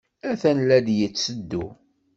Atan la d-yetteddu.